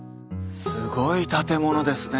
すごい建物ですね。